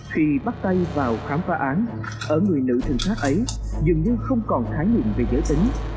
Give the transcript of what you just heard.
khi bắt tay vào khám phá án ở người nữ trinh sát ấy dường như không còn khái niệm về giới tính